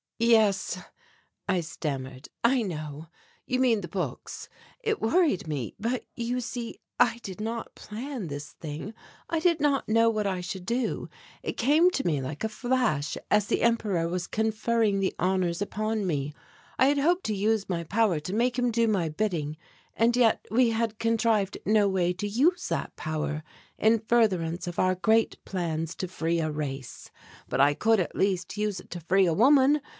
"Yes," I stammered, "I know. You mean the books. It worried me, but, you see, I did not plan this thing. I did not know what I should do. It came to me like a flash as the Emperor was conferring the honours upon me. I had hoped to use my power to make him do my bidding, and yet we had contrived no way to use that power in furtherance of our great plans to free a race; but I could at least use it to free a woman.